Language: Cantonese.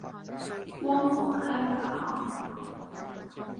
光復香港